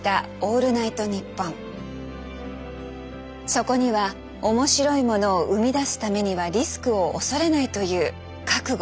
そこには面白いものを生み出すためにはリスクを恐れないという覚悟